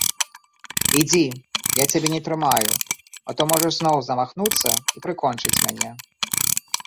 Ідзі, я цябе не трымаю, а то можаш зноў замахнуцца і прыкончыць мяне.